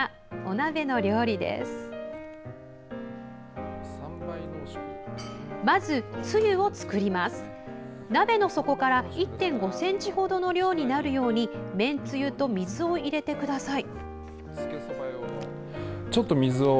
鍋の底から１．５ｃｍほどの量になるようにめんつゆと水を入れて下さい。